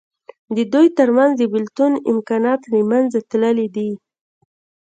د دوی تر منځ د بېلتون امکانات له منځه تللي دي.